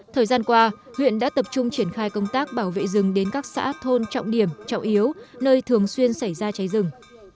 thời gian qua huyện đã tập trung triển khai công tác bảo vệ rừng đến các xã thôn trọng điểm trọng yếu nơi thường xuyên xảy ra cháy rừng